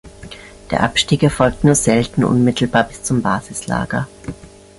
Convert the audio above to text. Der Abstieg erfolgt nur selten unmittelbar bis zum Basislager.